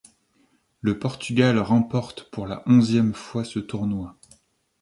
Le Portugal remporte pour la onzième fois ce tournoi.